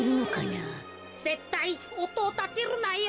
ぜったいおとをたてるなよ。